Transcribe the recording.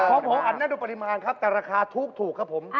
เออผมหมอน้ำน้่อดปริมาณครับแต่ราคาทูกครับผม